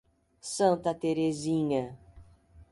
Santa Teresinha